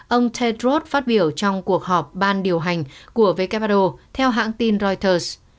ông tedros phát biểu trong cuộc họp ban điều hành của who theo hãng tin reuters